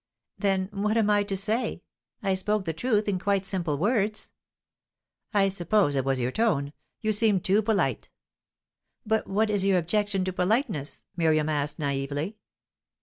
"Then what am I to say? I spoke the truth, in quite simple words." "I suppose it was your tone; you seemed too polite." "But what is your objection to politeness?" Miriam asked naively.